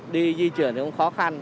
đi di chuyển cũng khó khăn